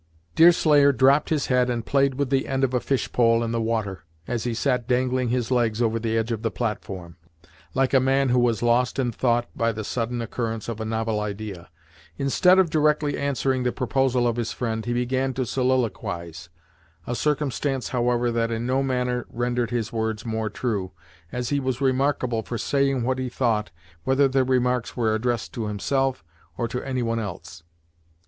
Deerslayer dropped his head and played with the end of a fish pole in the water, as he sat dangling his legs over the edge of the platform, like a man who was lost in thought by the sudden occurrence of a novel idea. Instead of directly answering the proposal of his friend, he began to soliloquize, a circumstance however that in no manner rendered his words more true, as he was remarkable for saying what he thought, whether the remarks were addressed to himself, or to any one else.